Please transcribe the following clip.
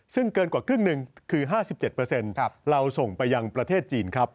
ซึ่งเกินกว่าครึ่งหนึ่งคือ๕๗เราส่งไปยังประเทศจีนครับ